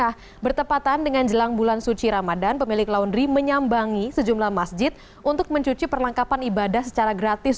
nah bertepatan dengan jelang bulan suci ramadan pemilik laundry menyambangi sejumlah masjid untuk mencuci perlengkapan ibadah secara gratis